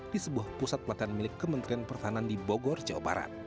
di sebuah pusat pelatihan milik kementerian pertahanan di bogor jawa barat